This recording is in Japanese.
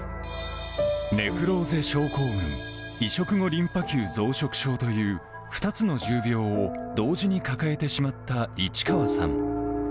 ネフローゼ症候群、移植後リンパ球増殖症という２つの重病を同時に抱えてしまった市川さん。